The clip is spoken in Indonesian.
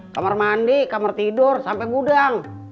kamar mandi kamar tidur sampe budang